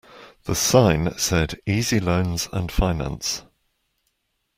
The sign said E Z Loans and Finance.